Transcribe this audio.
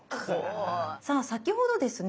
さあ先ほどですね